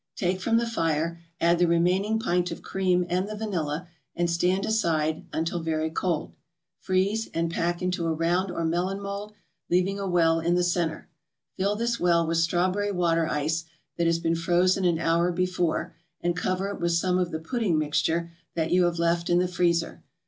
Take from the fire, add the remaining pint of cream and the vanilla, and stand aside until very cold. Freeze, and pack into a round or melon mold, leaving a well in the centre. Fill this well with Strawberry Water Ice that has been frozen an hour before, and cover it with some of the pudding mixture that you have left in the freezer.